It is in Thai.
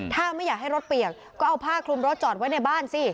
ถ้าไม่อยากให้รถเปียกก็เอาผ้าคลุมรถจอดไว้ในบ้านสิ